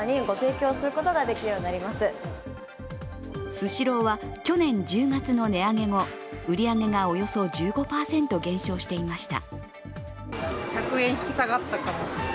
スシローは去年１０月の値上げ後、売り上げがおよそ１５％減少していました。